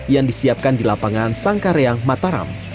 yang disiapkan di lapangan sangka reang mataram